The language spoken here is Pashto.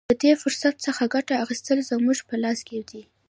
د دې فرصت څخه ګټه اخیستل زموږ په لاس کې دي.